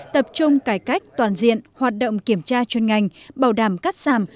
tập trung cải cách toàn diện hoạt động kiểm tra chuyên ngành bảo đảm cắt giảm